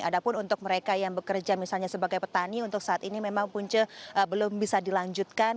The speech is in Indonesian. ada pun untuk mereka yang bekerja misalnya sebagai petani untuk saat ini memang punca belum bisa dilanjutkan